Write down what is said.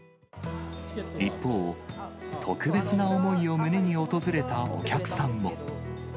一方、特別な思いを胸に訪れたお客さんも。